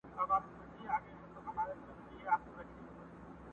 بوډا کیسې ورته کوي دوی ورته ناست دي غلي،